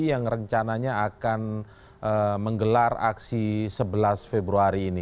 yang rencananya akan menggelar aksi sebelas februari ini